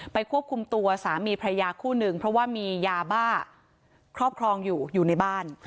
ควบคุมตัวสามีพระยาคู่หนึ่งเพราะว่ามียาบ้าครอบครองอยู่อยู่ในบ้าน